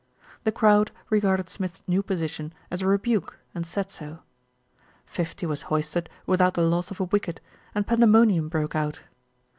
The crowd regarded Smith's new position as a re buke, and said so. Fifty was hoisted without the loss of a wicket, and pandemonium broke out.